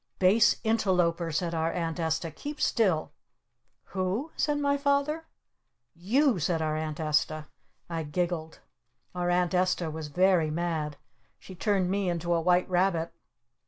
"Base Interloper!" said our Aunt Esta. "Keep Still!" "Who?" said my Father. "You!" said our Aunt Esta. I giggled. Our Aunt Esta was very mad. She turned me into a White Rabbit.